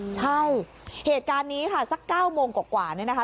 ใช่เหตุการณ์นี้ค่ะสัก๙โมงกว่านี่นะคะ